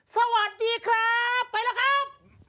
สวัสดีครับไปแล้วครับ